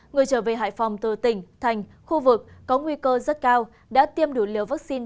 người trở về hải phòng từ tỉnh thành khu vực có nguy cơ rất cao đã tiêm đủ liều vaccine